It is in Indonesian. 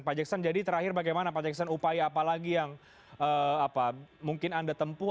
pak jackson jadi terakhir bagaimana pak jackson upaya apa lagi yang mungkin anda tempuh